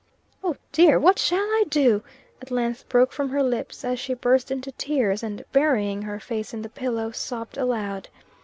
"O dear! what shall I do!" at length broke from her lips, as she burst into tears, and burying her face in the pillow, sobbed aloud.